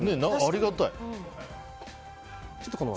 ありがたい。